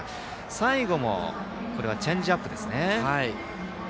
最後もチェンジアップですね。